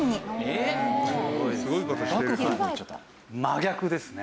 真逆ですね。